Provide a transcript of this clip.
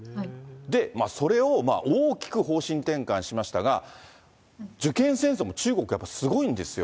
それを大きく方針転換しましたが、受験戦争も中国、やっぱすごいんですよ。